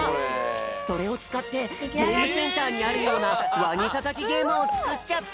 それをつかってゲームセンターにあるようなワニたたきゲームをつくっちゃった！